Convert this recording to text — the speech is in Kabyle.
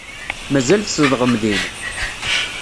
Mazal tzedɣem din?